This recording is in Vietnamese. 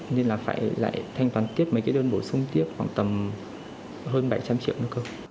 nên là phải lại thanh toán tiếp mấy cái đơn bổ sung tiếp khoảng tầm hơn bảy trăm linh triệu nữa cơ